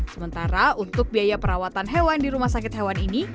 sementara untuk biaya perawatan hewan di rumah sakit hewan ini